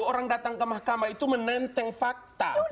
orang datang ke mahkamah itu menenteng fakta